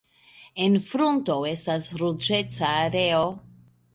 En frunto estas ruĝeca areo.